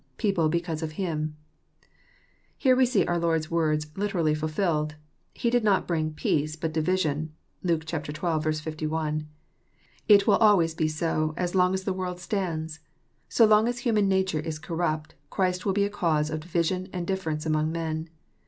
„people because of Him,'] Here we see our Lord's words literally fulfilled. — He did not bring " peace, but division." (Luke xii. 51.) It will always be so as long as the world stands. So long as human nature is corrupt, Christ will be a cause of division and difference among men.